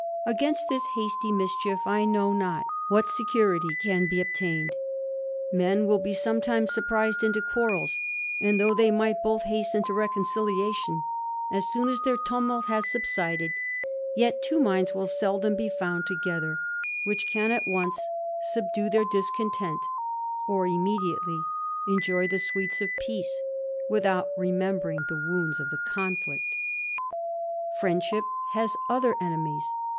Against tl&iis hasty mischief I know not what security can be obtained z men will be sometimes surprised into quarrels ; and thovigli they might both hasten to reconciliation, as soon as tbeir tumult had subsided, yet two minds will seldom be found! together, which can at once subdue their discontent^ ot immediately enjoy the sweets of peace, without remembeJ> ing the wounds of the conflict. Friendship has other enemies.